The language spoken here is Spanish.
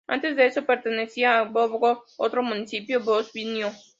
Antes de eso, pertenecía a Doboj, otro municipio bosnio.